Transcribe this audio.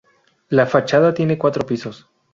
La fachada tiene cuatro pisos.